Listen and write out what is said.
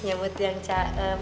nyamud yang caem